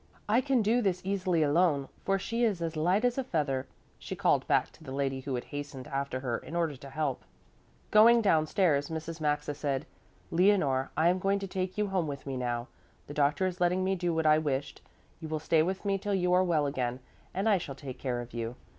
I can do this easily alone, for she is as light as a feather," she called back to the lady who had hastened after her in order to help. Going downstairs Mrs Maxa said, "Leonore, I am going to take you home with me now. The doctor is letting me do what I wished: you will stay with me till you are well again, and I shall take care of you.